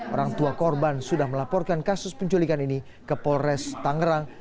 orang tua korban sudah melaporkan kasus penculikan ini ke polres tangerang